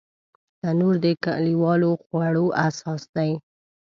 تنور د کلیوالو خوړو اساس دی